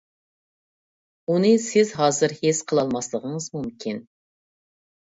ئۇنى سىز ھازىر ھېس قىلالماسلىقىڭىز مۇمكىن.